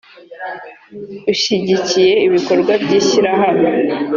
ushyigikiye ibikorwa by ishyirahamwe